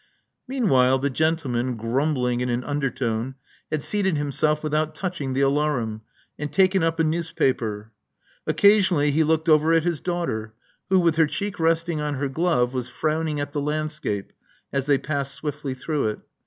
Meanwhile the gentleman, grumbling in an under tone, had seated himself without touching the alarum, and taken up a newspaper. Occasionally he looked over at his daughter, who, with her cheek resting on her glove, was frowning at the landscape as they passed swiftly through it.